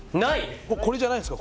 これじゃないすか？